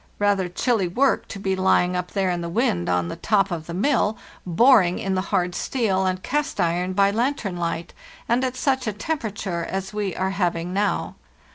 Rather chilly work to be lying up there in the wind on the top of the mill, boring in the hard steel and cast iron by lantern light, and at such a temperature as we are having now.